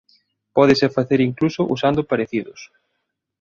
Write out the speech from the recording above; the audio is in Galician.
Pódese facer incluso usando parecidos.